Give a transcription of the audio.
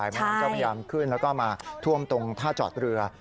มันก็พยายามขึ้นแล้วก็มาท่วมตรงท่าจอดเรือ